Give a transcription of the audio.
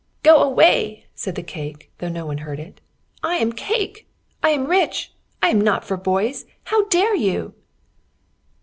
"Go away," said the cake, though no one heard it. "I am cake! I am rich! I am not for boys! How dare you?"